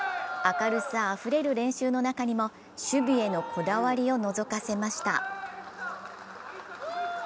明るさあふれる練習の中にも守備へのこだわりをのぞかせました。